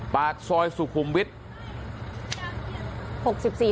ปากซอยสุขุมวิทย์